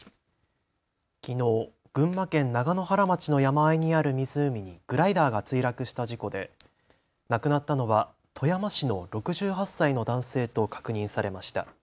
きのう群馬県長野原町の山あいにある湖にグライダーが墜落した事故で亡くなったのは富山市の６８歳の男性と確認されました。